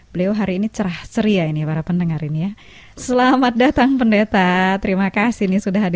kota sion yang terindah